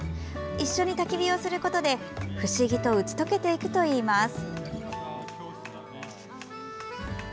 一緒にたき火をすることで不思議と打ち解けていくといいます。